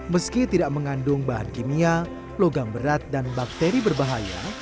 meski tidak mengandung bahan kimia logam berat dan bakteri berbahaya